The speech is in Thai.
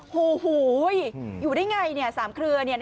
หู่อยู่ได้ไงสามเขือเนี้ย